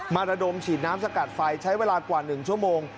ระดมฉีดน้ำสกัดไฟใช้เวลากว่า๑ชั่วโมง